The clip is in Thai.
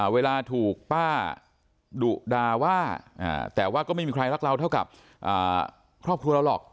เวลาถูกป้าดุดาว่าแต่ว่าก็ไม่มีใครรักเราเท่ากับครอบครัวเราหรอก